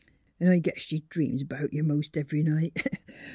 'N' I guess she dreams 'bout you 'most every night.